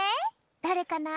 だれかな？